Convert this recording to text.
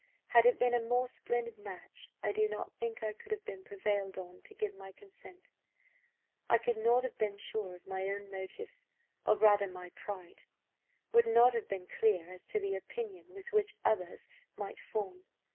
Had it been a more splendid match, I do not think I could have been prevailed on to give my consent. I could not have been sure of my own motives, or rather my pride would not have been clear as to the opinion which others might form.